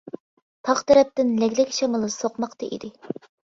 تاغ تەرەپتىن لەگلەك شامىلى سوقماقتا ئىدى.